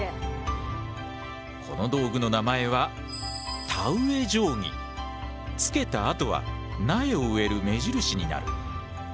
この道具の名前はつけた跡は苗を植える目印になる。